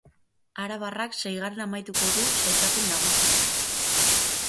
Arabarrak seigarren amaituko du sailkapen nagusian.